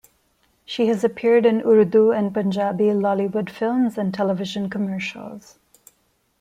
She has appeared in Urdu and Punjabi Lollywood films and television commercials.